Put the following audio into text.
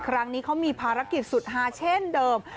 ครั้งนี้เขามีภารกิจสุดฮาเช่นเดิม